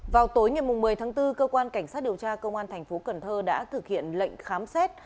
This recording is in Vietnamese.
vào tối ngày một mươi tháng bốn cơ quan cảnh sát điều tra công an tp hcm đã thực hiện lệnh khám xét